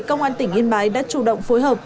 công an tỉnh yên bái đã chủ động phối hợp